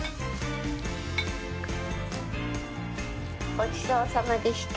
ごちそうさまでした。